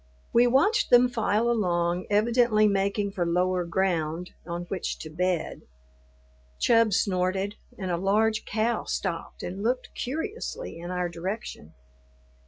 We watched them file along, evidently making for lower ground on which to bed. Chub snorted, and a large cow stopped and looked curiously in our direction.